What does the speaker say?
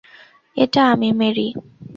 এটা আমি, মেরি।